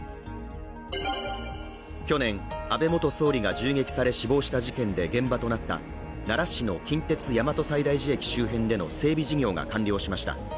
去年、安倍元総理が銃撃され死亡した事件で現場となった奈良市の近鉄大和西大寺駅周辺での整備事業が完了しました。